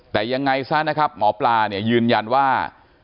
แต่ยังไงซะนะครับหมอปลาเนี่ยยืนยันว่า